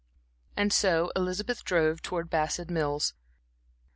And so Elizabeth drove towards Bassett Mills.